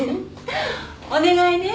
お願いね。